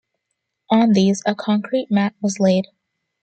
On these a concrete mat was laid.